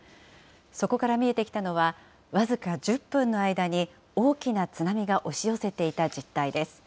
そこから見えてきたのは、僅か１０分の間に大きな津波が押し寄せていた実態です。